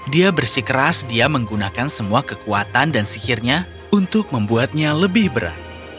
dia bersikeras dia menggunakan semua kekuatan dan sihirnya untuk membuatnya lebih berat